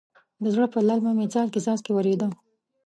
د زړه پر للمه مې څاڅکی څاڅکی ورېده.